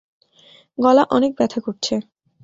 গলা অনেক ব্যথা করছে।